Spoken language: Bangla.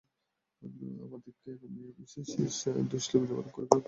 আমাদিগকে এখন এই শেষ দোষটি নিবারণ করিবার বিশেষ চেষ্টা করিতে হইবে।